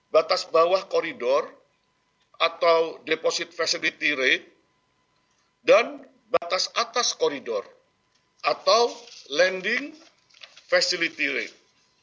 batas bawah koridor atau deposit facility rate dan batas atas koridor atau landing facility rate